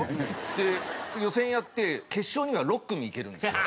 で予選やって決勝には６組いけるんですよ。